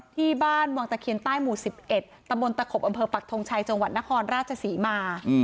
ที่บ้านวังตะเคียนใต้หมู่๑๑ตำบลตะขบอำเภอปักทงชัยจังหวัดนครราชศรีมา